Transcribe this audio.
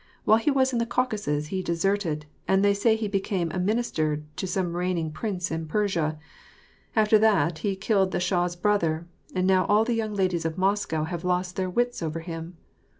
"While he was in the Caucasus he deserted, and they say he became minister to some reigning prince in Persia. After that he killed the Shah's brother, and now all the young ladies of Moscow have lost their wits over him.